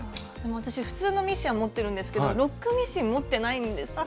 私普通のミシンは持ってるんですけどロックミシン持ってないんですよね。